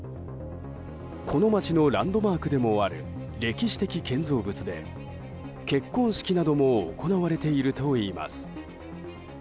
この街のランドマークでもある歴史的建造物で結婚式なども行われているといいます。